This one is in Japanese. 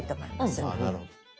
あなるほど。